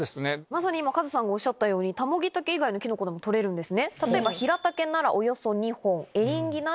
今カズさんがおっしゃったようにタモギタケ以外でも取れるんです。